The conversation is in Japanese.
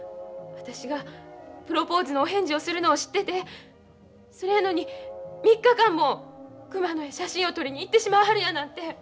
私がプロポーズのお返事をするのを知っててそれやのに３日間も熊野へ写真を撮りに行ってしまわはるやなんて。